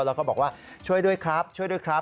แล้วก็บอกว่าช่วยด้วยครับช่วยด้วยครับ